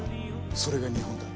それが日本だ。